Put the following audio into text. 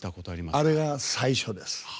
あれが最初です。